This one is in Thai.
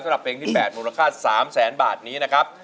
เพลงที่๘มูลค่า๓แสนบาทนี้นะครับ